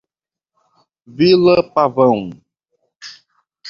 Vila Pavão